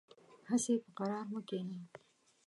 هسې په قرار مه کېنه .